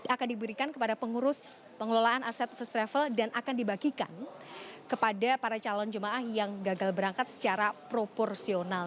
akan diberikan kepada pengurus pengelolaan aset first travel dan akan dibagikan kepada para calon jemaah yang gagal berangkat secara proporsional